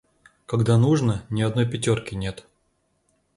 Когда нужно, ни одной пятёрки нет.